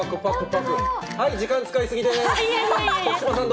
はい、時間使い過ぎです。